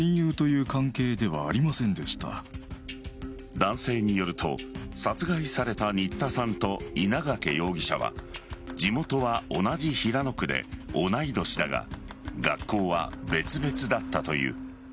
男性によると殺害された新田さんと稲掛容疑者は地元は同じ平野区で同い年だが学校は別々だったという。